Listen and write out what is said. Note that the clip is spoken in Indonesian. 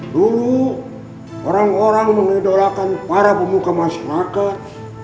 dulu orang orang mengidolakan para pemuka masyarakat